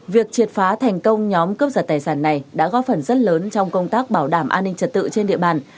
việc triệt phá thành công nhóm cướp giật tài sản này đã góp phần rất lớn trong công tác bảo đảm an ninh trật tự trên địa bàn